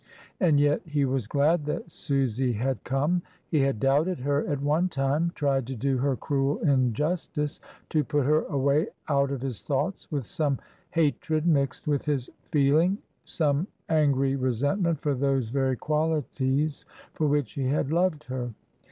And yet he was glad that Susy had come; he had doubted her at one time, tried to do her cruel injustice, to put her away out of his thoughts with some hatred mixed with his feeling, some angry re sentment for those very qualities for which he had loved her.